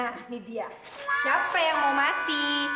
nah ini dia siapa yang mau mati